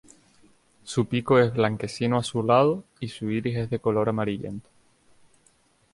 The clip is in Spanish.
Su pico es blanquecino azulado y su iris es de color amarillento.